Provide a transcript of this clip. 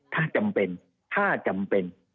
ถ้าจำเป็นถ้าจำเป็น